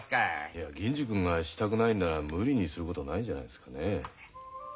いや銀次君がしたくないんなら無理にすることはないんじゃないですかね。